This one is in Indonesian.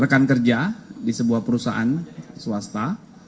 rekan kerja di sebuah perusahaan swasta